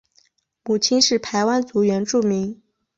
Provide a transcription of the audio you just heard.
母亲是排湾族原住民。